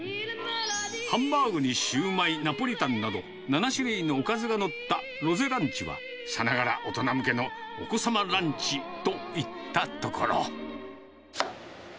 ハンバーグにシューマイ、ナポリタンなど、７種類のおかずが載ったロゼランチは、さながら大人向けのお子様ランチといったところ。